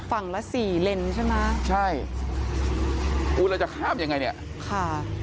ละสี่เลนใช่ไหมใช่อุ้ยเราจะข้ามยังไงเนี่ยค่ะ